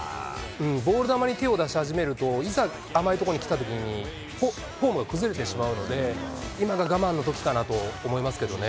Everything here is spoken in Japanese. ボール球に手を出し始めると、いざ甘い所に来たときに、フォームが崩れてしまうので、今が我慢のときかなと思いますけどね。